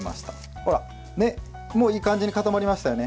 ほら、もういい感じに固まりましたよね。